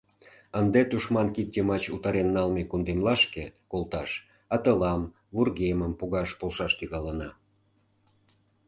Ынде тушман кид йымач утарен налме кундемлашке колташ атылам, вургемым погаш полшаш тӱҥалына.